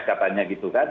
katanya gitu kan